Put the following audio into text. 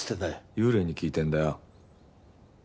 幽霊に聞いてんだよ。